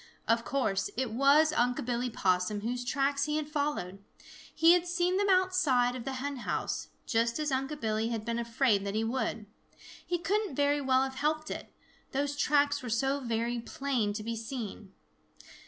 Of course it was Unc' Billy Possum whose tracks he had followed. He had seen them outside of the hen house, just as Unc' Billy had been afraid that he would. He couldn't very well have helped it, those tracks were so very plain to be seen.